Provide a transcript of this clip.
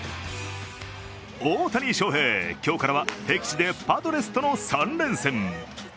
大谷翔平、今日からは敵地でパドレスとの３連戦。